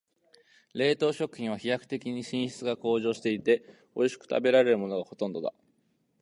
冷凍食品は飛躍的に品質が向上していて、おいしく食べられるものがほとんどだ。